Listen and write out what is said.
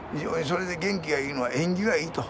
それで元気がいいのは縁起がいいと。